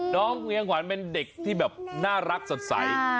เวียงขวัญเป็นเด็กที่แบบน่ารักสดใส